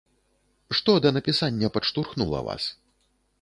Што да напісання падштурхнула вас?